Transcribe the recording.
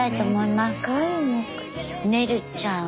ねるちゃんは？